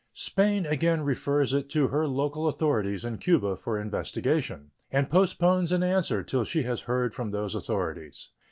Spain again refers it to her local authorities in Cuba for investigation, and postpones an answer till she has heard from those authorities.